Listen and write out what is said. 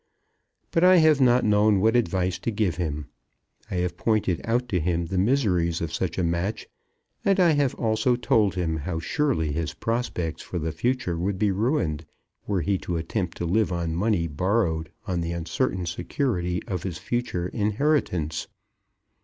But I have not known what advice to give him. I have pointed out to him the miseries of such a match; and I have also told him how surely his prospects for the future would be ruined, were he to attempt to live on money borrowed on the uncertain security of his future inheritance.